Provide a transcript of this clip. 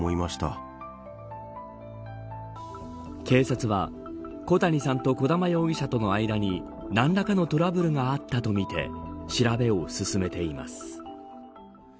警察は、小谷さんと児玉容疑者との間に何らかのトラブルがあったとみて調べを進めています。